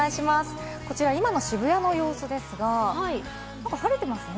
こちら、今の渋谷の様子です晴れていますね。